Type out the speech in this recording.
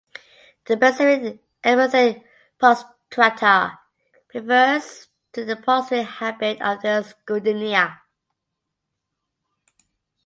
The specific epithet ("prostrata") refers to the prostrate habit of this goodenia.